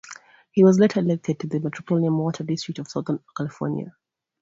He was later elected to the Metropolitan Water District of Southern California.